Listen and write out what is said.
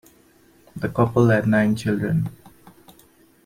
The couple had nine children.